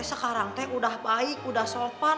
sekarang teh udah baik udah sopan